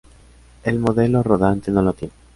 El modelo rodante no lo tiene.